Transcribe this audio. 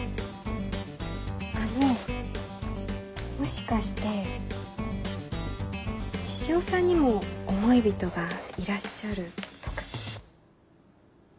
あのもしかして獅子王さんにも思い人がいらっしゃるとか？